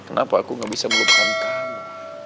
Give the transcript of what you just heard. kenapa aku gak bisa melupakan kamu